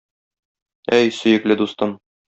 Әй, сөекле дустым!